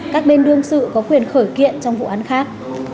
các bên đương sự có quyền khởi kiện trong vụ án khác